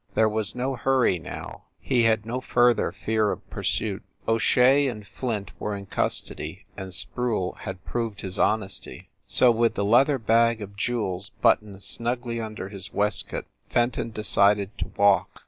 There was no hurry now, he had no further fear of pursuit. O Shea and Flint were in custody, and Sproule had proved his honesty. So, with the leather bag of jewels buttoned snugly under his waistcoat, Fenton decided to walk.